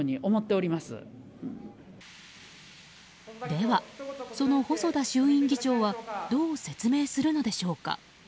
では、その細田衆院議長はどう説明するのでしょうか。